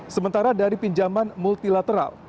sementara dari pinjaman multilateral